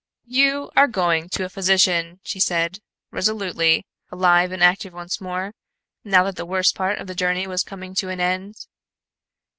"You are going to a physician," she said, resolutely, alive and active once more, now that the worst part of the journey was coming to an end.